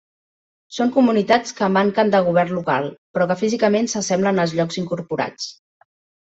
Són comunitats que manquen de govern local, però que físicament s'assemblen als llocs incorporats.